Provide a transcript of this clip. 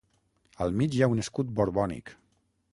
Al mig hi ha un escut borbònic.